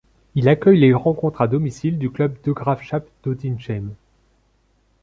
Il accueille les rencontres à domicile du club De Graafschap Doetinchem.